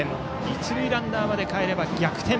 一塁ランナーまでかえれば逆転。